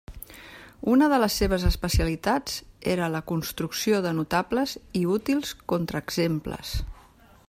Una de les seves especialitats era la construcció de notables i útils contraexemples.